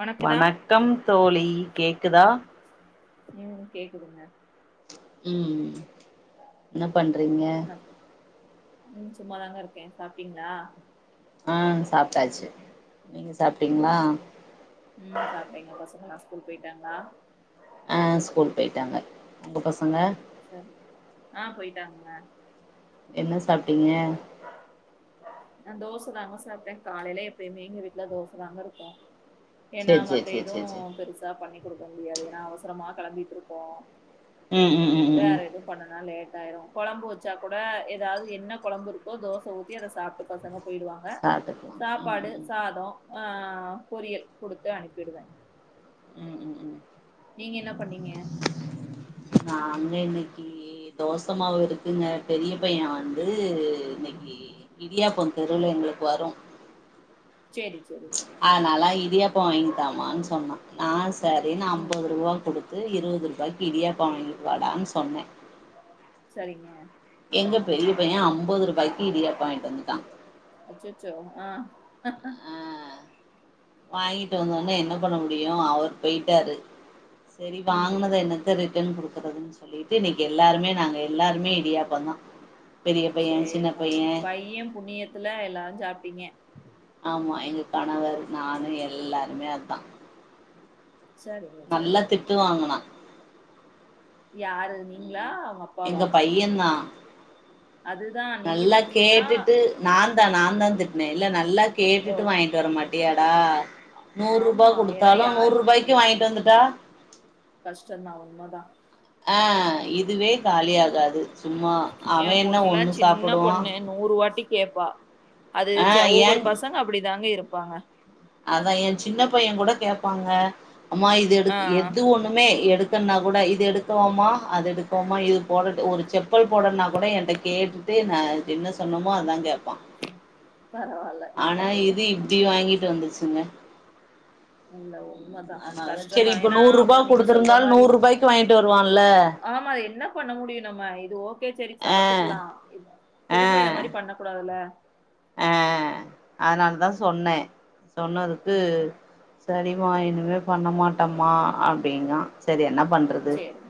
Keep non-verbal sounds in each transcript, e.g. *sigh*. வணக்குதா வணக்கம் தோழி கேக்குதா உம் கேக்குதுங்க உம் என்னப் பண்றீங்க உம் சும்மாதாங்க இருக்கே சாப்ட்டீங்களா ஆஹ் சாப்ட்டாச்சு நீங்க சாப்ட்டீங்களா உம் சாப்டேங்க பசங்க எல்லாம் ஸ்கூல்க்கு போய்ட்டாங்ளா ஆ ஸ்கூல் போயிட்டாங்க உங்க பசங்க சரி ஆஹ் போயிட்டாங்கங்க என்ன சாப்ட்டீங்க நான் தோசதாங்க சாப்ட்டேன் காலையில எப்பயுமே எங்க வீட்டுல தோசதாங்க இருக்கும் ஏன்னா சேரி சேரி மத்த சேரி சேரி எதும் சேரி பெருசா பண்ணி குடுக்க முடியாது ஏன்னா அவசரமா கெளம்பிட்டுருப்போம் ம் ம் ம் ம் வேற ம் எதுவும் பண்ணுனா லேட் ட்டாயிரும் கொழம்பு வச்சா கூட ஏதாவது என்ன கொழம்பு இருக்கோ தோச ஊத்தி அதை சாப்ட்டுக் பசங்க போயிடுவாங்க சாப்ட்டுக்கலா ம் சாப்பாடு ம் சாதம் ஆஹ் ஆஹ் ஆஹ் பொறியல் குடுத்து அனுப்பிடுவேன் ம் ம் ம் நீங்க என்னப் பண்ணீங்க நாங்க இன்னைக்கு தோசமாவு இருக்குங்க பெரிய பையன் வந்து து இன்னைக்கு இடியாப்பம் தெருவுல எங்களுக்கு வரும் சேரி சேரி இடியாப்பம் வாங்கி தாமான்னு சொன்னான் நான் சரின்னு ம் ஐம்பது ரூபா கொடுத் து இருபது ரூபாய்க்கு இடியாப்பம் வாங்கிட்டு வாடான்னு சொன்னேன் சரிங்க எங்க பெரிய பையன் ஐம்பது ரூபாய்க்கு இடியாப்பம் வாய்ன்ட்டு வந்துட்டான் அச்சச்சோ ஆஹ் ஆ வாங்கிட்டு வந்தோனே என்ன பண்ண முடியும் அவர் போயிட்டாரு சரி ம். வாங்னத என்னத்த ரிட் டன் குடுக்குறதுன்னு சொல்லிட்டு இன்னைக்கு எல்லாருமே நாங்க எல்லாருமே இடியாப்பந்தான் சேரி உங்க பையன் புண்ணியத்துல எல்லாரும் சாப் ப்டிங்க ஆமா எங்க கணவர் நானு எல்லாருமே அதான் சரிங்க, நல்லா சரிங்க. திட்டு வாங்குனா யாரு நீங்ளா ம் அவங்க அப்பாவா எங்க பையந்தா அதுதான் நீங்க நல்லா திட்டுனீங்களா? கேட்டுட்டு நான் தா நாந்தா திட்ன இல்ல நல்லா ஓ! கேட்டுட்டு வாங்கிட்டு வர மாட் டியாடா நூற் ரூபா ஆமா. ஏன்னா குடுத்தாலு நூற் ரூபாய்க்கு வாய்ன்ட்டு வந் தா கஷ்டந்தா உண்மதா அ இ துவே காலியாகாது சும்மா அவ என் என்ன ஒண்ணு சாப்புடுவா கேப்பா அது ஆ ச ஒவ்வொரு ஏன் பசங்க அப்பிடிதாங்க இருப் பாங்க அதா எ சின்ன பைய கூட கேப்பாங்க அம்மா இது எடு ஆ. கு எது ஒண்ணுமே எடு எடுக்குன்னா கூட இது எடுக்கவாமா அது எடுக்கவாமா இது போட ஒரு செப்பல் போடனா கூட என்ட்ட கேட்டுட்டு நா என்ன சொன்னோமோ அதா கேப்பா பரவால்ல. நல்ல ஆனா பையன். இது இப்டி வாங்கிட்டு வந்துச்சு ங்க இல்ல ஓ அதனால தா செரி இப்ப நூற் ரூபா சொல்ற குடுதுருந்தாலு மாரி நூற் ரூபாய்க்கு வாய்ன்ட்டு வருவான்ல ஆமா அது என்ன பண்ண முடியு நம்ம இது ஓ சேரி ஆ சாப்ட்டுக்லா இ திரும்ப இத மாரி பண்ண கூடாதுல்ல அ அதனாலதா சொன்ன சொன்னதுக்கு ம். சரிமா இனிமே பண்ணமாட்டமா அப்டிங்கா சரி என்ன பண்றது சரி.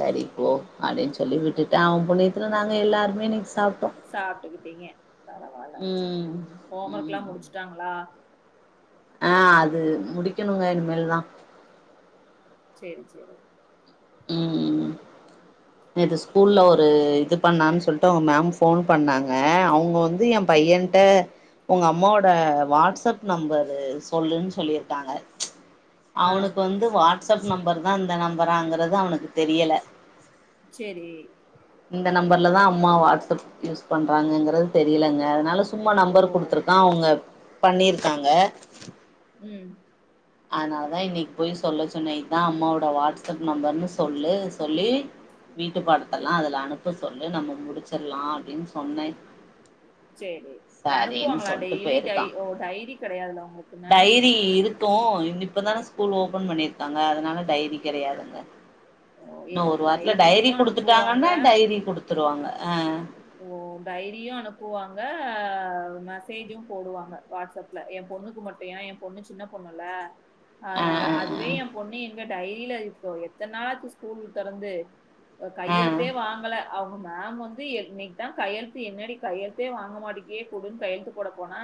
சரி போ ம். அப்டின் சொ சொல்லி விட்டுட்டா அவ புண்ணியத்துல நாங்க எல்லாருமே இன்னிக்கு சாப்ட்டு சாப்ட்டுக்கிட்டீங்க ம் ஹோம் ஒர்க்லா ம் முடிச்சுட்டாங்களா ஆ அது முடிக்கணுங்க இனிமேல்தா சேரி சேரி ம் நேத்து ஸ்கூல்ல ஒரு இது பண்ணான் சொல்ட்டு அவங் மேம் ஃபோன் பண்ணாங்க அவங்க வந் து எ சரி. பையன்ட்ட உங்க அம்மாவோட வாட்ஸ்அப் நம்பரு சொல்லுன் சொல்லிருக்காங்க ச் ஆ. அவனுக்கு வந்து வா ட்ஸ்அப் நம்பர்தா இந்த நம்பராங்கறது தா அவனுக்கு தெரியல செரி இந்த நம்பர்லதா அம்மா வாட்ஸ்அப் யூஸ் பண்றாங்ககரது தெரிலயங்க அதுனால சும்மா ஓ! நம்பர் குடுத்திருக்கா அவ்ங்க பண்ணிர்க்காங்க ம் அதுனாலதா இன்னிக்கு போய் சொல்ல சொன்ன இத்தா அம்மாவோட வாட்ஸ்அப் நம்பர்ன்னு சொல்லு சொல்லி வீட்டு பாடத்தல்லா அதுல அனுப்ப சொல்லு நம்ம முடிச்சர்லா அப்டின்னு சொன்ன செரி அனுப்வாங்களா டெய்லி டை போயிருக்கா ஓ டைரி கெடையாதுல்ல ஒங்களுக்குனு தோ இந்திப் இப்ப தான ஸ்கூல் ஓபன் பண்ணிருக்கா அதனால டைரி கெடையாதுங்க ஓ இன்னு ஒரு எங்களுக்கு வாரத்துல டைரி டைரிலயும் அனுப்புவாங்க. குடுத்துட்டாங்கன்னா டைரி குடுத்துருவாங்க ஆ ஓ டைரியு அனுப்புவாங்க மெசேஜும் போடுவாங்க வாட்ஸ்அப்ல எ பொண்ணுக்கு மட்டு ஏன்ன எ பொண்ணு சின்ன பொண்ணுல்ல ஆ அதுனால ஆ ஆ அதுவே எ பொண்ணு டைரியில இப்ப எத்தன நாளாத்து ஸ்கூல் தொறந்து ஆ கையெழுத்தே வாங்கல அவ மேம் வந்து இன்னிக்கு தா கையெழுத்து என்னடி கையெழுத்தே வாங்க மாட்டேக்கே கூடுன்னு கையெழுத்து போட போனா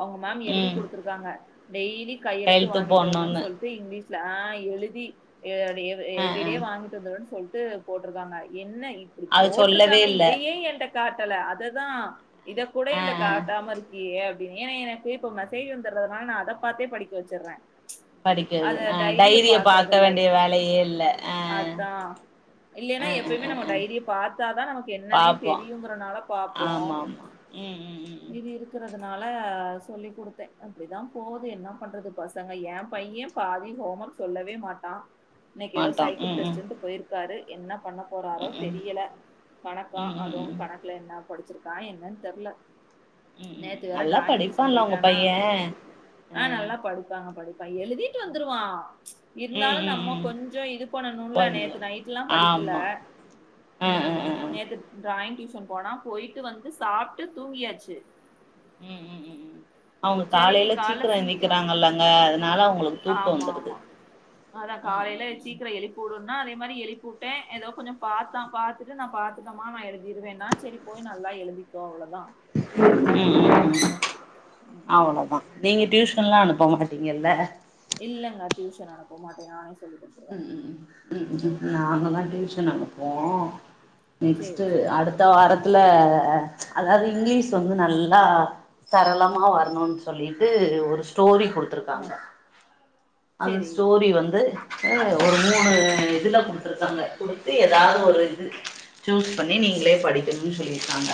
அவங்க மேம் எழுதி ம் குடுத்திருக்காங்க டெய்லி கையெழுத்து வாங்கிட்டு வரணுனு சொல்ட்டு இங்கிலீஷ் ஆஹ் எழுதி எ எ எவ் ஆ ஆ எவிரிடே வாங்கிட்டு வந்தரனுனு சொல் இது போட்ருக்காங்க என்ன அது சொல்லவே இல்ல க காட்டல அததா இத கூட ஆ என்ட ஆ காட்டாம இருக்கியே இப்ப ஏன்னா எனக்கு இப்ப மெசேஜ் வந்தறதுனால நா அத பாத்தே படிக்க வெச்சர படிக்கிறது அத ஆ டைரிய பாக்றது பாக்க இல்ல வேண்டிய வேலையே இல்ல ஆ அதா இல்லென்னா ஆ ஆ எப்பயுமே ஆ நம்ம ஆ டைரிய பாத்தாதா நமக்கு என்னன்னே பாப்போ தெரியுங்கறனால பாப்போ ஆமா ஆமா ம் ம் ம் ம் இது இருக்கற அதனால சொல்லி் கொடுத்த அப்பிடிதா போகுது என்ன பண்றது பசங்க எ பைய பாதி ஹோமர்க் சொல்லவே மாட்டா இன்னைக்கு ஏதோ மாட்டோ சைக்கிள் ம் ம் டெஸ்ட்ன்டு போயிர்க்காரு என்ன பண்ண போறாரோ ம் ம் தெரியல வணக்கா ம் ம் அதுவு ம் கணக்குல என்ன படிச்சிரு தா என்னன்னு தெர்ல ம் ம் நேத்து வேற நல்லா டிராயிங் டியூசன் படிப்பான்ல உங்க போயிட்டானா பைய அ ஆஹ் நல்லா ம் படிப்பாங்க படி எழுதிட்டு வந்துருவா இருந்தாலும் ம் நம்ம ம் கொஞ்ச இது பண்ணணும்ல கொஞ்சோ நேத்து நைட்ல்லாம் படிக்கல ஆமா அ அ உம் அ அ ம் நேத்து ட்ராயிங் டியூஷன் போனா போயிட்டு வந்து சாப்பிட்டு தூங்கியாச்சு உம் உம் உம் உம் அவுங்க சரி காலையில இன்னைக்கு கால்ல சீக்கிரம் எந்திரிக்கிறாங்க இல்லங்க அதனால அவங்களுக்கு தூக்கம் ஆமா, வந்துருது ஆமா. அதான் உம் காலையில உம் உம் சீக்கிரம் எழுப்பி உடுன்னா, அதே மாதிரி எலிப்பட்டன் ஏதாவோ கொஞ்சம் பாத்தா பாத்துட்டு நான் பாத்தட்டே மா நான் எழுதிருவேன்னா சரி போய் நல்லா எழுதிக்கும் அவ்ளவு உம் ம். அவ்ளோதான் நீங்க டியூசன் லாம் அனுப்ப மாட்டீங்கல்ல இல்லங்க டியூஷன் அனுப்ப மாட்டேன் நானே சொல்லி உம் உம் உம் நாங்கதான் டியூஷன் அனுப்புவோம் சரி, நெக்ஸ்ட் சரி. அடுத்த வாரத் துல்ல அதாவது இங்கிலீஷ் வந்து நல்லா சரளமா வரணும்னு சொல்லிட்டு ஒரு ஸ்டோரி ஆ கொடுத்துருக்காங்க அந்த சரி. ஸ்டோரி வந்து அ ஒரு மூணு இதில் கொடுத்துருக்காங்க கொடுத்து எதாவது ஒரு இது சூஸ் பண்ணி நீங்களே படிக்கணும்னு சொல்லியிருக்காங்க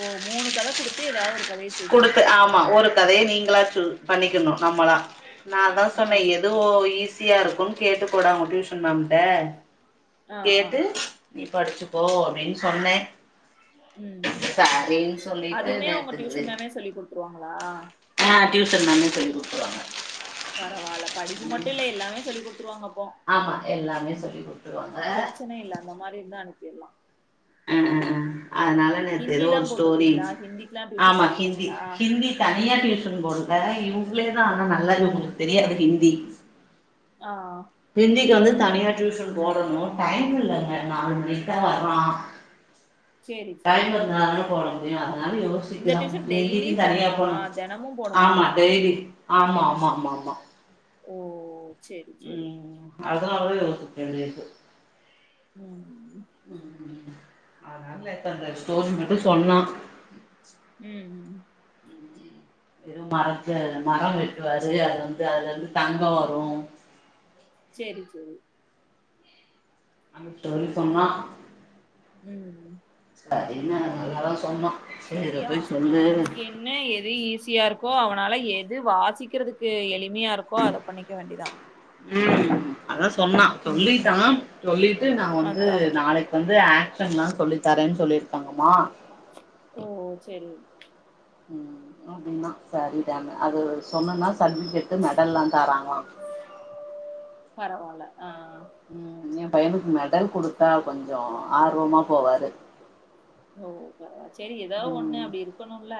ஓ மூணு தல கொடுத்து ஏதாவது ஒரு கதைய சூஸ் குடுத்து பண்ணிக்கணுமா? ஆமா ஒரு கதைய நீங் களா பண்ணிக்கணும் நம்மளா நான் தான் ஆ சொன்னேன் சரி, எதோ சரி. ஈஸியாக இரு க்கும் கேட்டுக்கோடா ஒங்க டியூஷன் மேம்ட்ட ஆ, ஆ. கேட்டு நீ படிச்சு போ அப்டின்னு சொன்னே ம். சரின்னு சொல்லிட்டு அதுவுமே உங்க நேத்துக்கு டியூஷன் மேமே சொல்லிக் குடுத்துருவாங்களா டியூஷன் மேம் சொல்லி கொடுத்துவாங்க பரவாயில்ல படிப்பு மட்டும் இல்லலை எல்லாமே சொல்லி கொடுத்துருவாங்க ஆமா எல்லாமே சொல்லி குடு பிரச்சனை இல் அந்த மாதிரி இருதா அனு உம் உம் உம் அதனால் நேத்து எதோ ஹிந்திலா ஒரு ஸ்டோரி போட்ருக்கீங்களா ஹிந்திக்குலா டியூஷன் ஆமா ஹிந்தி போட்ருக்கீங்களா ஹிந்தி தனியா டியூஷன் போ ல்ல இவங்களேதான் ஆனா நல்லா உங்களுக்கு தெரியாது ஹிந்தி ஆஹ் ஹிந்திக்கு வந்து தனியா டியூஷன் போடணும் டைம் இல்லங்க நாலு மணிக்கு தான் வர்றான் சேரி சேரி டைம் இருந்தா தான போட *unintelligible* அதனால இந்த யோசிக்கிறான் டியூஷன் டெய்லி இந்தந்திக்கும் தனியா போணுமா போனும் தெனமு போணுமா ஆமா டேய்லி ஆமா ஆமா ஆமா ஆமா ஓ சேரி சேரி அதனாலே எனக்கு *unintelligible* ம் அதனால இப்ப அந்த ஸ்டோரி மட்டும் சொன்னா ம் ம் வெறும் மரத்த மரம் வெட்டுவாரு அது வந்து அதுலருந்து தங்கோ வரும் சேரி சேரி அந்த ஸ்டோரி சொன்னோ ம் என்ன நல்ல தா சொன்னோ செரியா அவனுக்கு என்ன எது ஈஸியா இருக்கோ அவனால எது வாசி படிக்கிறதுக்கு எளிமையா இருக்கோ அத பண்ணிக்க வேண்டிதா ம் அதா சொன்னா ம் சொல்லிட்டான் சொல்லிட்டு நா வந்து அதா நாளைக்கு வந் ஆக்ஷன்லா சொல்லித் தரேன்னு சொல்லிருக்காங்கம்மா ஓ செரி ம் அப்டின்னா சரி தான அது சொன்னன்னா சட்விகேட்டு மெடல்லாம் தராங்களா பரவால்ல ஆ ம் ஏன் பையனுக்கு மெடல் குடுத்தா கொஞ்சோ ஆர்வமா போவாரு ஓ *unintelligible* செரி ஏதாவது ஒண்ணு ம் அப்டி இருக்கணுல்ல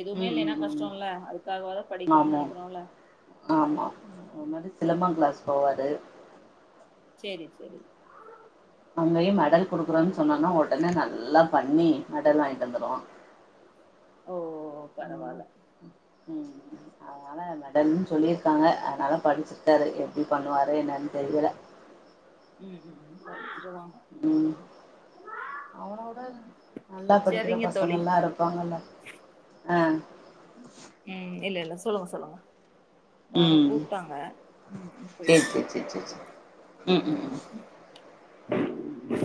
எதுவுமே ம் இல்லேன்னா ம் ம் கஷ்டோல்ல அதுக்காகவாது படிக்கணும்னு ஆமா நெனைக்கிறோம்ல ஆமா அது மாரி சிலம்பம் கிளாஸ் போவாரு சேரி தோழி அங்கயு மெடல் குடுக்குறோன்னு சொன்னோனா ஒடனே நல்லா பண்ணி மெடல் வாங்கிட்டு வந்துருவான் ஓ ம் பரவால்ல ம் அதனால மெடல்னு சொல்லிருக்காங்க அதனால படிச்சிருக்காரு எப்டி பண்ணுவாரு என்னன்னு தெரியல ம் ம் ம் ம் அவனோட நல்லா படிக்கிற செரிங்க தோழி பசங்கள்லாம் இருப்பாங்கல்ல ஆ ம் இல்ல இல்ல சொல்லுங்க சொல்லுங்க யாரோ ம் கூப்ட்டாங்க சேரி சேரி சேரி சேரி சேரி ம் ம் ம் ம் ம்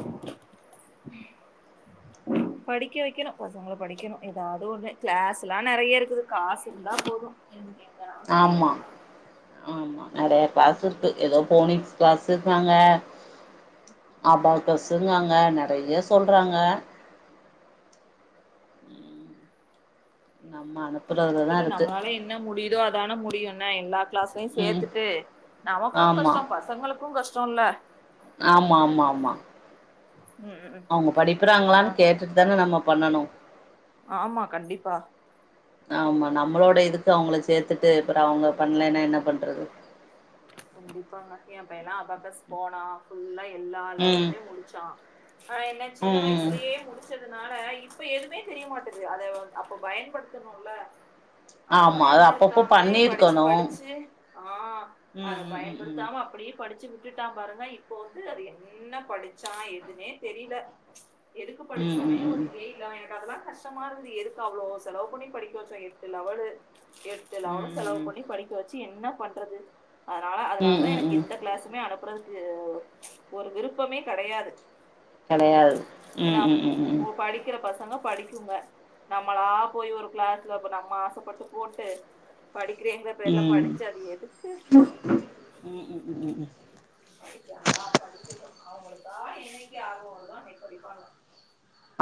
படிக்க வைக்கணு பசங்களு படிக்கணு ஏதாவது ஒண்ணு கிளாஸுலா நறைய இருக்குது காசு இருந்தா போதும் என் எ ஆமா ஆமா நறையா கிளாஸ் இருக்கு ஏதோ போனிக்ஸ் கிளாஸுன்றாங்க அபாக்கஸுன்றாங்க நறைய சொல்றாங்க நம்ம அனப் செரி நம்மளால என்ன முடியுதோ அதான முடியும் ன எல்லா கிளாஸ்லயு ம் சேர்த்துட்டு நமக்கும் ஆமா கஷ்டம் பசங்களுக்கும் கஷ்டம். சொன்ன ஆமா ஆமா ஆமா ம் அவுங்க ம் ஆ படிப்புறாங்களான்னு கேட்டுட்டு தானே நம்ம பண்ணணும் ஆமா கண்டிப்பா ஆமா நம்மளோட இதுக்கு அவங்கள சேர்த்துட்டு அப்புறம் அவங்க பண்ணலன்னா என்ன பண்றது கண்டிப்பாங்க என்பையன்ல்லா அபாக்கஸ் போனா புல்ல எல்லா ம் லெவலுமே முடிச்சான் ஆஹ் என்ன சின்ன ம் ம் வயசுலயே முடிச்சது அதனால இப்ப எதுவுமே தெரியமாட்டுது அத அப்ப பயன்படுத்தணுல அத ஆமா அது அப்பப்போ பயன்படுத்தாமலே படிச்சு பண்ணிருக்கணு படிச்சு ஆஹ் அத ம் ம் ம் ம் பயன்படுத்தாம அப்டியே படிச்சு விட்டுட்டான் பாருங்க இப்ப வந்து அது என்ன படிச்சான் எதுனே தெரியல எதுக்கு ம் படிச்சோனே ம் ஒரு ம் எய் இல்ல எனக்கு அதுல்லான் கஷ்டமா இருக்குது எதுக்கு அவ்ளோ செலவு பண்ணி படிக்க வச்சோம் எட்டு லெவலு எட்டு லேவலு செலவு ம் பண்ணி படிக்க வச்சு என்ன பண்றது அதனால அதனால ம் தான் ம் எனக்கு ம் எந்த கிளாஸமே அனுப்புறது க்கு ச் ஒரு விருப்பமே கெடையாது கிடையாது உம் ஏன்னா உம் உம் உம் படிக்கிற பசங்க படிக்குங்க நம்மளா போய் ஒரு கிளாஸ்ல அப்ப நம்ம ஆசப்பட்டு போட்டு படிக்கிறேங்கிற பேர்லபடிச்சு அது எது உம் உம் உம் உம் உம் படிக்காங்களா படிக்க அவங்களுக்கா என்னக்கு ஆர்வ வருதோ அன்னைக்கி படிப்பாங்க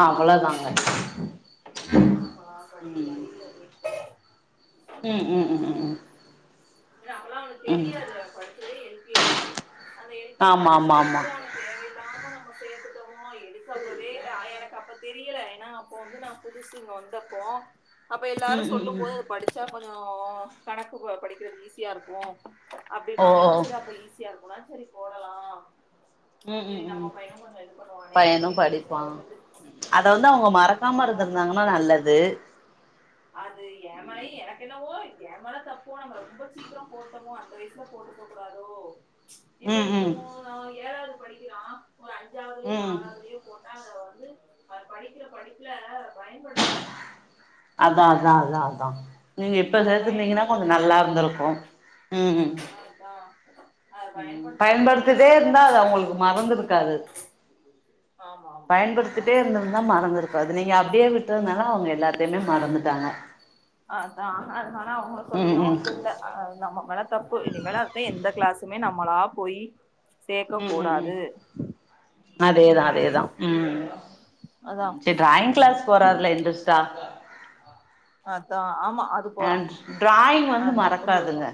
அவ்வள தாங்க நம்மளா படி உம் படி படி உம் உம் உம் உம் உம் ஏன்னா அப்பெல்லாம் அவனக்கு தெரியாது அவ படிச்சதே எல் கே அந்த எல் கே ஜி ல ஆமா ஆமா ஆமா போயிட்டு அவன தேவையில்லாம நம்ம சேத்துட்டோ எதுசாப்வேய் ஆஹ் எனக்கு அப்ப தெரியல ஏன்னா அப்போ வந்து நான் புதுசு இங்க வந்தப்போ அப்ப ம் எல்லாரும் ம் சொல்லும் ம் போது அது படிச்சா அப்பறோ கணக்கு போ படி இது ஈஸியா இருக்கும் ஓ அப்டிப்பாங்ளா ஓ செரி அப்ப ஈஸியா இருக்கூன செரி போடலா ம் செரி ம் நம்ம ம் பையனூ கொஞ்சோ இது பண்ணுவானே பையனு அப்டின்னு நெனைச்சு படிப்பா போட்டது அத வந்து அவங்க இப்ப மறக்காம பாத்தா இருந்திருந்தாங்கன்னா நல்லது அது ஏமேலயே எனக்கென்னவோ என் மனசு அப்போ நம்மல் ரொம்ப சீக்கிரோ போட்டோமோ அந்த வயசுல போட்ருக்க கூடாதோ இப்ப ம் ம் இப்போவூ ஏழாவ் படிக்கிறா ஒரு அஞ்சாவதுலயோ ம் நாலாவதுலயோ போட் அத வந்து அத படிக்கிற படிப்புல பயன்படுத்திருப்பா அதா அதா அதா அதா நீங்க இப்ப அத சேத்துருந்தீங்கன்னா கொஞ்சோ பயன்படுத்தலையில நல்லாருந்திருக்கூ ஆ ம் ம் அதான் அத ம் பயன்படுத்தாதனால பயன்படுத்திட்டேருந்தா அது அவுங்களுக்கு மறந்துருக்காது ஆமா ஆமா ஆமா ஆமா பயன்படுத்திட்டே இருந்திருந்தா மறந்துருக்காது நீங்க அப்டியே விட்டதுனால அவுங்க எல்லாத்தையுமே மறந்துட்டாங்க அதா *unintelligible* அவுங்க ம் சொல்லியூ ம் இது இல்ல ஆ நம்ம வளர் தப்பு இனிமேலாது எந்த கிளாஸுமே நம்மளா போய் சேக்க ம் ம் ம் கூடாது அதேதா அதேதா ம் ம் அதான் சரி டிராயிங் கிளாஸ் போறார்ல இன்ட்ரெஸ்டா அதா ஆமா அது அ போறா டிராயிங் வந்து அது மட்டூ போயிருவா மறக்காதுங்க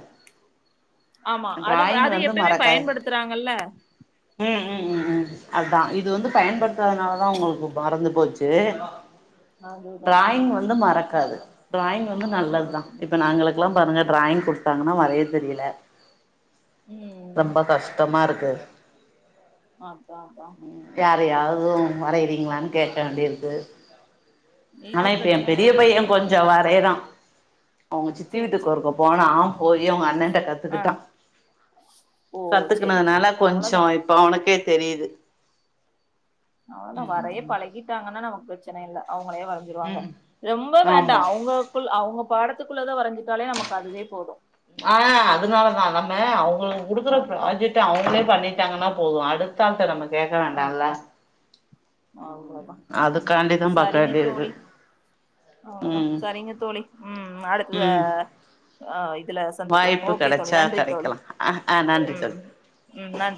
ஆமா அது டிராயிங் அது வந்து எப்பய்மே மறக்காது பயன்படுத்துறாங்கல்ல ம் ம் ம் ம் அத்தா இது வந்து பயன்படுத்தாத்னால தா அவுங்களுக்கு பறந்து போச்சு அதுதான் ட்ராயிங் வந்து மறக் காது ட்ராயிங் வந்து நல்லது தா ம் இப்ப நாங்களுக்கெல்லாம் பாருங்க ட்ராயிங் குடுத்தாங்கன்னா வரைய தெரில ம் ரொம்ப கஷ்டமாருக் க அத்தா அதா வேற யாரூதூ வரைறீங்களான்னு கேட்க வேண்டியிருக்கு ஆனா இது இப்ப ஏ பிரச்சன இல்ல பெரிய எ பைய்ய பையனே கொஞ்சோ பண்ணிப்பா வரைறா அவுங்க சித்தி சேரி வீட்டுக்கு சேரி ஒருக்க போனா போய் அவங்கண்ணன்ட்ட கத்துக்கிட்டா ஓ சேரி சேரி கத்துக்கனதுனால கொஞ்சோ அவ்ளோதா இப்ப அவனுக்கேத் தெரியுது அவ்ளவுதா அதையே ம் பழகிட்டாங்கன்னா நம பிரச்சனை இல்ல அவ வரை வரைஞ்சிருவாங்க ம் ரொம்ப ஆமா வேண்டாம் அவங்களுக்குள் அவங்க படத்துக்குள்ளதா வரைஞ்சு ஆஹ் அதனாலதா நம்ம அவங்களுக்கு கொடுக்குற அதா ப்ராஜெக்ட் அவங்களே பண்ணி த்ங்கன்னா போதும் அடுத்தாள் திறமை *unintelligible* அவ்ளதா உம் அதுக்காண்டிதா பாக்க சரிங்க வேண்டியது இருக்கு தோழி அவ்ளதான் ம் சரிங்கத்தோழி உம் ம் அடுத்தடுத்தா ஹாய் வாய்ப்பு கிடைச்சா கிடைக்கலாம் அஹ் ஆஹ் நன்றி ம் தோழி ம் நன்றி